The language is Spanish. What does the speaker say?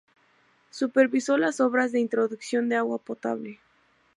Supervisó las obras de introducción de agua potable.